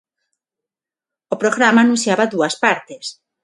O programa anunciaba dúas partes.